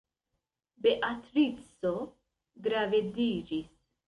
Beatrico gravediĝis.